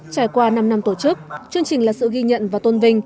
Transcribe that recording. trải qua năm năm tổ chức chương trình là sự ghi nhận và tôn vinh